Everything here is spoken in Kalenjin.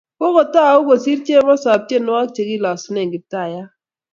Kokotau kosir Chemosop tyenwogik che kilosune Kiptaiyat.